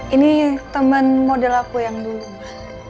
ini temen model aku yang dulu ma